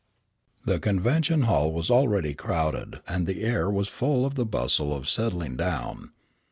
The convention hall was already crowded, and the air was full of the bustle of settling down.